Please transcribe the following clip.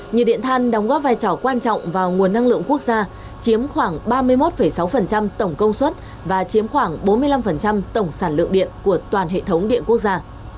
nhiệt điện than đóng góp vai trò quan trọng vào nguồn năng lượng quốc gia chiếm khoảng ba mươi một sáu tổng công suất và chiếm khoảng bốn mươi năm tổng sản lượng điện của toàn hệ thống điện quốc gia